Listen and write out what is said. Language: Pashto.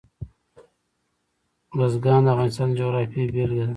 بزګان د افغانستان د جغرافیې بېلګه ده.